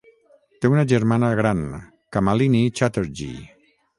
Té una germana gran, Kamalini Chatterjee.